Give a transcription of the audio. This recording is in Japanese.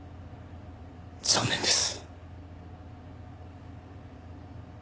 残念です。